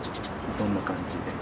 どんな感じで？